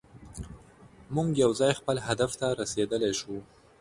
موږ یوځای خپل هدف ته رسیدلی شو.